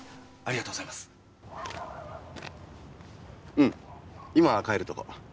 うん今帰るとこ。